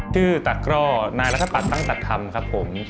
ชื่อตักร่อนายรักษาปากตั้งตัดทำครับผม